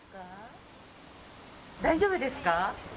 大丈夫ですか？